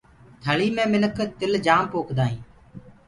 ٿݪيٚ مي تل منک تِل جآم پوکدآ هينٚ۔